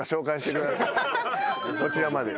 こちらまで。